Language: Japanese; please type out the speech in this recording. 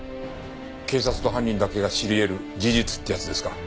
警察と犯人だけが知り得る事実ってやつですか。